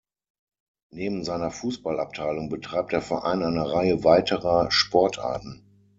Neben seiner Fußballabteilung betreibt der Verein eine Reihe weiterer Sportarten.